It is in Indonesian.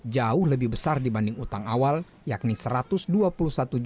jauh lebih besar dibanding utang awal yakni rp satu ratus dua puluh satu juta